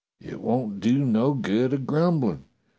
It won't do no good a grumblin'.